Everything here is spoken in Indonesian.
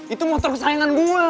itu motor kesayangan gua